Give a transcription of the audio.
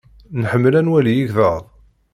Nḥemmel ad nwali igḍaḍ.